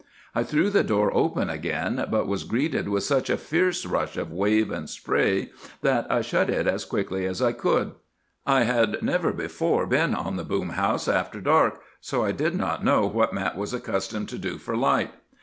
I threw the door open again, but was greeted with such a fierce rush of wave and spray that I shut it as quickly as I could. "I had never before been on the boom house after dark, so I did not know what Mat was accustomed to do for light.